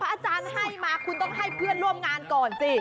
อาจารย์ให้มาคุณต้องให้เพื่อนร่วมงานก่อนสิ